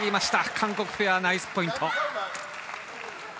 韓国ペア、ナイスポイント。